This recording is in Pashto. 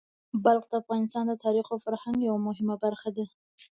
بلخ د افغانانو د تاریخ او فرهنګ یوه مهمه برخه ده.